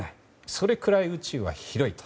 それくらい宇宙は広いと。